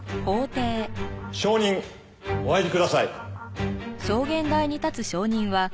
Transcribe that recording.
証人お入りください。